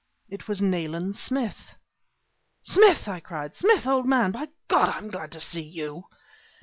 It was Nayland Smith! "Smith," I cried. "Smith, old man, by God, I'm glad to see you!"